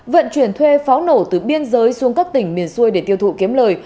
vận chuyển thuê pháo nổ từ biên giới xuống các tỉnh miền xuôi để tiêu thụ kiếm lời